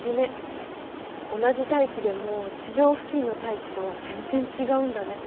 同じ大気でも地上付近の大気とは全然違うんだね。